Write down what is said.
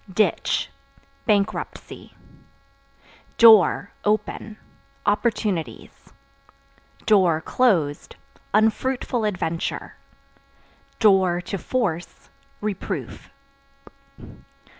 Ditch Bankruptcy. Door (Open) opportunities; (closed) unfruitful adventure; (to force) reproof.